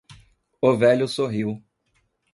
O velho sorriu.